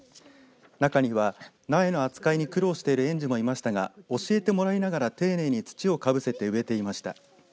中には苗の扱いに苦労している園児もいましたが教えてもらいながら丁寧に土をかぶせて植えていました。